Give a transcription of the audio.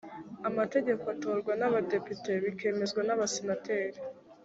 amategeko atorwa n’abadepite bikemezwa na abasenateri.